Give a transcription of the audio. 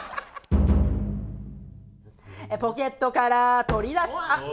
「ポケットから取り出したのは」。